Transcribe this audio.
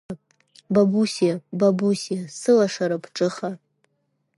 Бабусиа, Бабусиа, сылашара, бҿыха!